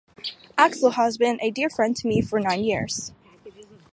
Axl has been a dear friend to me for nine years.